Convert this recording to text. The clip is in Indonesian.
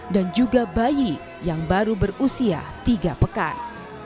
dan juga bayi yang baru berusia tiga pekan